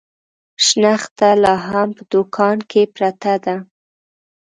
شنخته لا هم په دوکان کې پرته ده.